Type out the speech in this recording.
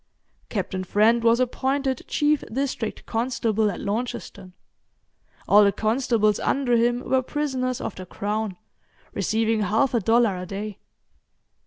Captain Friend was appointed chief District Constable at Launceston; all the constables under him were prisoners of the Crown, receiving half a dollar a day.